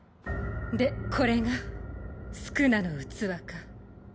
でこれが宿儺の器か。